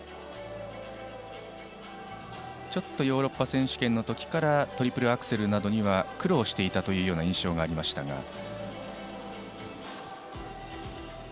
ちょっとヨーロッパ選手権のときからトリプルアクセルなどには苦労していた印象がありましたが。